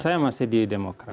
saya masih di demokrat